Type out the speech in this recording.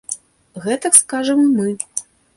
Гэтак скажам і мы.